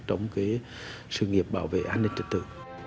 trong cái sự nghiệp bảo vệ an ninh trật tự